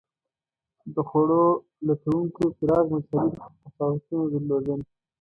د خوړو لټونکو پراخ مذهبي تفاوتونه درلودل.